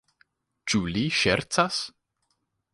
Ĉu li ŝercas?